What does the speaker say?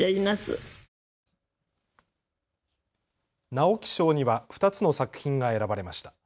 直木賞には２つの作品が選ばれました。